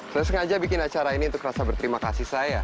saya sengaja bikin acara ini untuk rasa berterima kasih saya